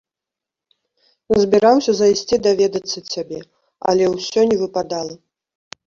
Збіраўся зайсці даведацца цябе, але ўсё не выпадала.